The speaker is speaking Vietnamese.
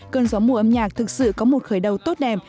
cần gió mùa âm nhạc thực sự có một sự khởi đầu tốt đẹp